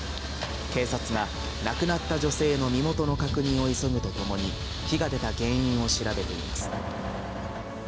警察は、亡くなった女性の身元の確認を急ぐとともに、火が出た原因を調べています。